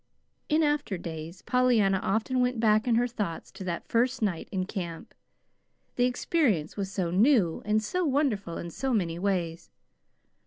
In after days Pollyanna often went back in her thoughts to that first night in camp. The experience was so new and so wonderful in so many ways.